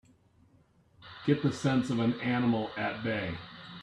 Get the sense of an animal at bay!